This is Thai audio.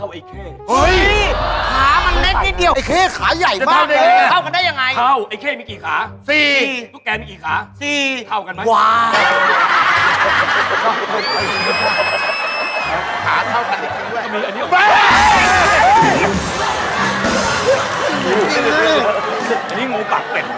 อันนี้งงปากแปลก